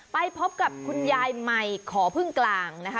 ไปพบกับคุณยายใหม่ขอพึ่งกลางนะคะ